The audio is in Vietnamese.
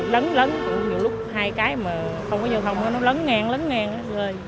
lấn lấn nhiều lúc hai cái mà không có giao thông nó lấn ngang lấn ngang lấn ngang lấn ngang